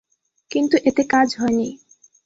কিন্তু এতে কাজ হয়নি।